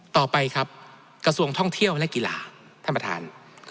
ต่อไปครับกระทรวงท่องเที่ยวและกีฬาท่านประธาน